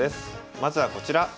まずはこちら。